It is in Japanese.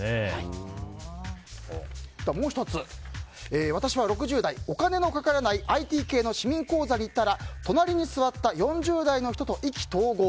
もう１つ、私は６０代お金のかからないＩＴ系の市民講座に行ったら隣に座った４０代の人と意気投合。